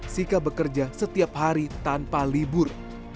sika bekerja setiap hari tanpa libur